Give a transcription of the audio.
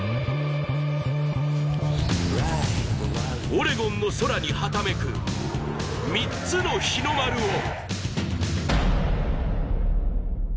オレゴンの空にはためく３つの日の丸を。